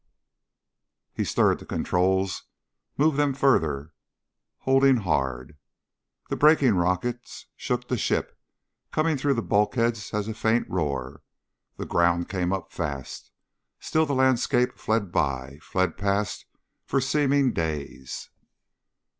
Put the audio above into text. He stirred the controls, moved them further, holding hard. The braking rockets shook the ship, coming through the bulkheads as a faint roar. The ground came up fast. Still the landscape fled by fled past for seeming days.